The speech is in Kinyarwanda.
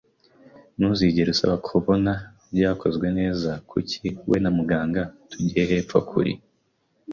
ntuzigere usaba kubona byakozwe neza, kuki, we na muganga tugiye hepfo kuri